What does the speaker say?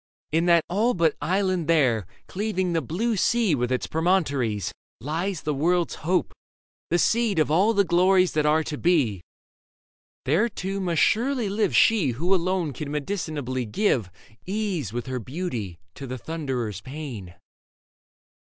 In that all but island there, Cleaving the blue sea with its promontories, Lies the world's hope, the seed of all the glories That are to be ; there, too, must surely live She who alone can medicinably give Ease with her beauty to the Thunderer's pain.